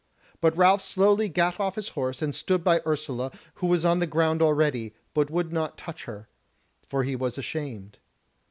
But Ralph slowly gat off his horse and stood by Ursula who was on the ground already, but would not touch her, for he was ashamed.